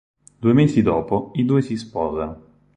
Due mesi dopo i due si sposano.